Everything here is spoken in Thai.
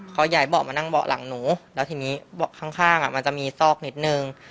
เขาย้ายเบาะมานั่งเบาะหลังหนูแล้วทีนี้เบาะข้างมันจะมีซอกนิดนึง